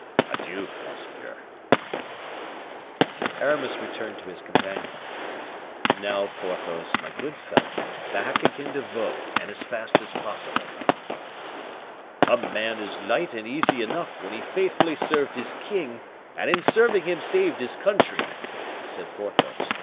Adieu, monseigneur." Aramis returned to his companion. "Now, Porthos, my good fellow, back again to Vaux, and as fast as possible." "A man is light and easy enough, when he has faithfully served his king; and, in serving him, saved his country," said Porthos.